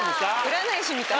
占い師みたい。